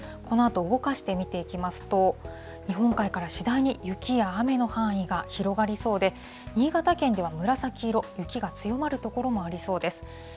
このあと動かして見ていきますと、日本海から次第に雪や雨の範囲が広がりそうで、新潟県では紫色、雪が強まる所もありそうです。